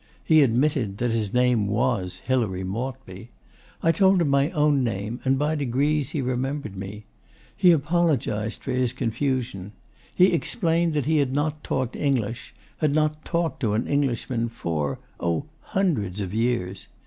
He admitted that his name was Hilary Maltby. I told him my own name, and by degrees he remembered me. He apologised for his confusion. He explained that he had not talked English, had not talked to an Englishman, 'for oh, hundreds of years.